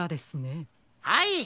はい。